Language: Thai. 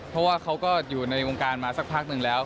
เพราะว่าเขาก็อยู่ในวงการมาสักพักหนึ่งแล้ว